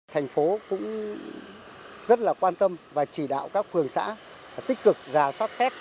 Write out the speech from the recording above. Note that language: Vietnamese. thành phố cũng rất là quan tâm và chỉ đạo các phường xã tích cực giả soát xét